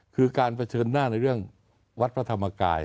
คือการเผชิญหน้าในเรื่องวัดพระธรรมกาย